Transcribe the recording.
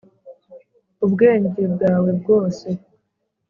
ubwenge bwawe bwose.